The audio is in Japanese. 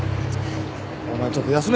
お前ちょっと休め。